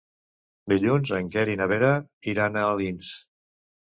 Dilluns en Quer i na Vera iran a Alins.